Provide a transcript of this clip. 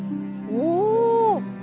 お！